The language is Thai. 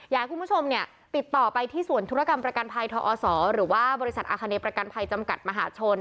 อยากให้คุณผู้ชมเนี่ยติดต่อไปที่สวนธุรกรรมประกันภัยทอศหรือว่าบริษัทอาคาเนประกันภัยจำกัดมหาชน